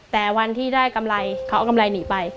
แต่วันที่ได้กำไรเขาเอากำไรหนีไป